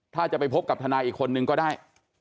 ถ้าจะไปพบกับทนายอีกคนนึงก็ได้